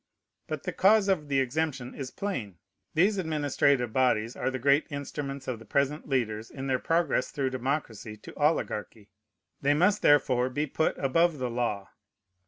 But the cause of the exemption is plain. These administrative bodies are the great instruments of the present leaders in their progress through democracy to oligarchy. They must therefore be put above the law.